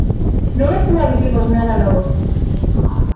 Non estou a dicirvos nada novo.